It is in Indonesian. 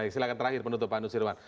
silahkan terakhir penutup pak nusirwan